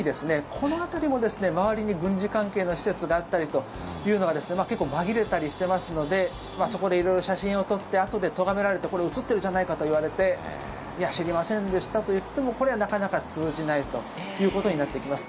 この辺りも周りに軍事関係の施設があったりというのが結構、紛れたりしてますのでそこで色々写真を撮ってあとでとがめられてこれ、写ってるじゃないかと言われていや、知りませんでしたと言ってもこれはなかなか通じないということになってきます。